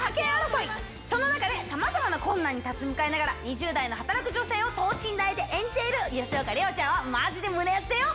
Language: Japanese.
その中でさまざまな困難に立ち向かいながら２０代の働く女性を等身大で演じている吉岡里帆ちゃんはマジで胸熱だよ！